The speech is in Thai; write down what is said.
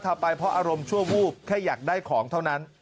ทำไปเพราะอารมณ์ชั่ววูบแค่อยากได้ของเท่านั้น